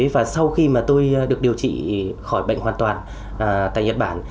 và sau khi mà tôi được điều trị khỏi bệnh hoàn toàn tại nhật bản